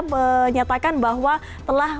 menyatakan bahwa telah